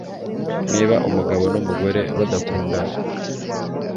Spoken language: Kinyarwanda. niba umugabo numugore badakundana